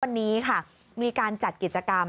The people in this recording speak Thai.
วันนี้ค่ะมีการจัดกิจกรรม